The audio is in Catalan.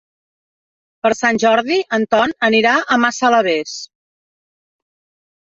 Per Sant Jordi en Ton anirà a Massalavés.